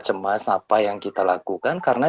cemas apa yang kita lakukan karena